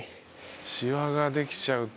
しわができちゃうと。